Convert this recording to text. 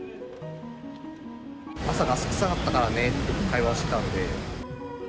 朝、ガス臭かったからねって会話してたので。